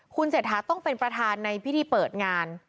คุณเศรษฐาต้องเป็นประธานในพิธีเปิดงาน